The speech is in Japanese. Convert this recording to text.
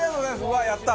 うわやった！